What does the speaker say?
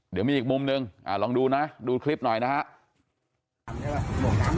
เดี๋ยวมีอีกมุมนึงลองดูนะดูคลิปหน่อยนะครับ